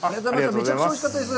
めちゃくちゃおいしかったです。